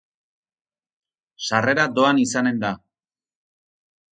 Sarrera doan izanen da.